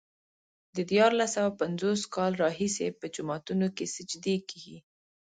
د دیارلس سوه پنځوس کاله راهيسې په جوماتونو کې سجدې کېږي.